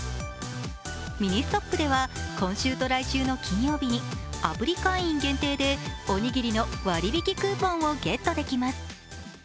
ミニストップでは今週と来週の金曜日にアプリ会員限定でおにぎりの割引クーポンをゲットできます。